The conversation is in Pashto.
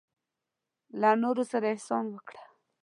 له نورو سره احسان وکړه.